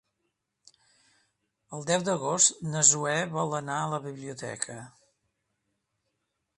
El deu d'agost na Zoè vol anar a la biblioteca.